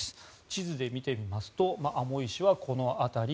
地図で見てみますとアモイ市はこの辺り。